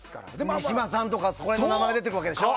三島さんとかそういう名前が出てくるわけでしょ。